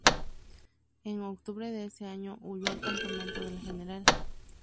En octubre de ese año huyó al campamento del Gral.